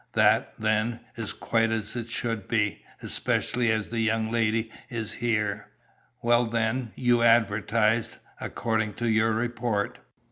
"That, then, is quite as it should be, especially as the young lady is here. Well, then, you advertised, according to your report?"